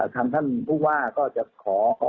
คำท่านพูดว่าก็จะขอ